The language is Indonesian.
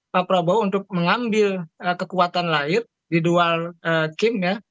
pak prabowo untuk mengambil kekuatan lain di dual kim ya